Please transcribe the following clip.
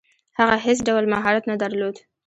هغه هیڅ ډول مهارت نه درلود.